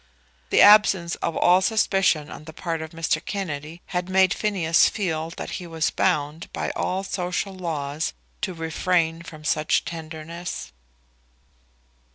The absence of all suspicion on the part of Mr. Kennedy had made Phineas feel that he was bound by all social laws to refrain from such tenderness.